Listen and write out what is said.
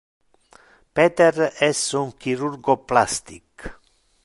Peter es un chirurgo plastic.